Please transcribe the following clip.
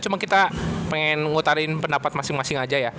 cuma kita pengen ngutarin pendapat masing masing aja ya